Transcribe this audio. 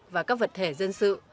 và các vật thể dân sự